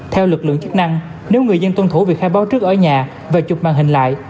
theo lực lượng chức năng nếu người dân tuân thủ việc khai báo trước ở nhà và chụp màn hình lại